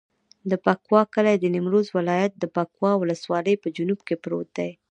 د بکوا کلی د نیمروز ولایت، بکوا ولسوالي په جنوب کې پروت دی.